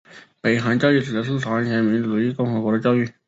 北韩教育指的是朝鲜民主主义人民共和国的教育。